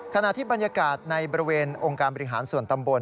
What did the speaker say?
ขณะที่บรรยากาศในบริเวณองค์การบริหารส่วนตำบล